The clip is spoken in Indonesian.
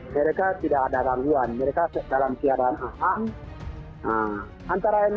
mereka tidak ada rangguan mereka dalam keadaan aham